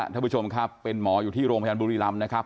ท่านผู้ชมครับเป็นหมออยู่ที่โรงพยาบาลบุรีรำนะครับ